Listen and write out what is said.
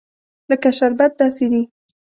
لکه شربت داسې دي.